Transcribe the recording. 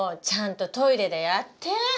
ちゃんとトイレでやって！